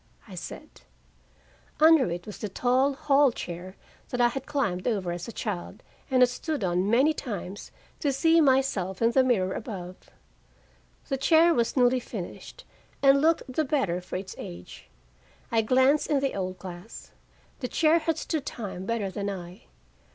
I said. Under it was the tall hall chair that I had climbed over as a child, and had stood on many times, to see myself in the mirror above. The chair was newly finished and looked the better for its age. I glanced in the old glass. The chair had stood time better than I.